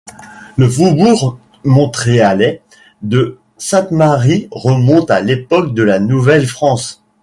Le faubourg montréalais de Sainte-Marie remonte à l'époque de la Nouvelle-France.